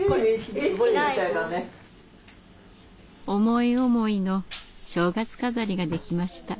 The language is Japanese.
思い思いの正月飾りができました。